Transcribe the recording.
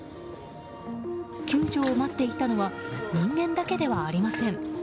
救助を待っていたのは人間だけではありません。